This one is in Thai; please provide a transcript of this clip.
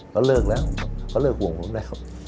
เขาเลิกแล้วเขาเลิกห่วงผมแล้ว